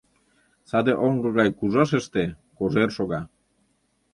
Саде оҥго гай кужашыште кожер шога.